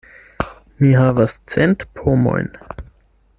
Mi havas cent pomojn.